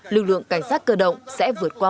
lực lượng cảnh sát cơ động sẽ vượt qua